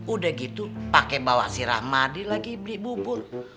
udah gitu pake bawah si rahmadi lagi beli bubur